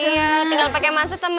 iya tinggal pakai mansa sama hijab loh